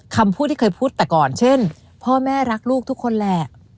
คำพูดที่เคยพูดแต่ก่อนเช่นพ่อแม่รักลูกทุกคนแหละ